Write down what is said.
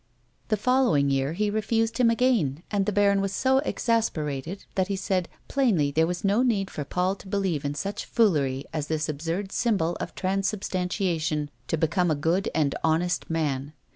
The following year he refused him again, and the baron was so exasperated that he said plainly there was no need for Paul to believe in such foolery as this absurd symbol of transubstantiatiou, to become a good and honest man.